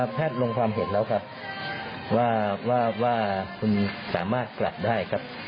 ลงความเห็นแล้วครับว่าคุณสามารถกลับได้ครับ